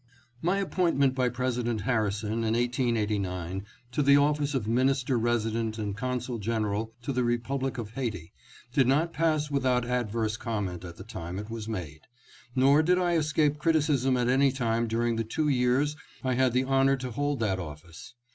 MY appointment by President Harrison in 1889 to the office of Minister Resident and Consul Gen eral to the Republic of Haiti did not pass without adverse comment at the time it was made ; nor did I escape criticism at any time during the two years I had the honor to hold that office.